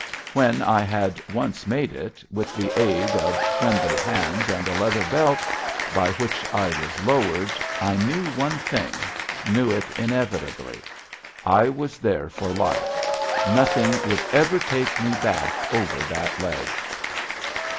When I had once made it, with the aid of friendly hands and a leather belt, by which I was lowered, I knew one thing knew it inevitably. I was there for life. Nothing would ever take me back over that ledge.